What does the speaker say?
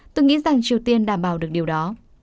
tôi nghĩ rằng triều tiên đảm bảo được điều đó